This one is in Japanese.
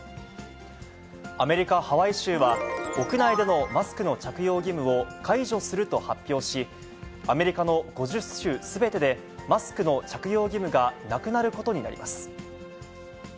アメリカ・ハワイ州は、屋内でのマスクの着用義務を解除すると発表し、アメリカの５０州すべてでマスクの着用義務がなくなることになります。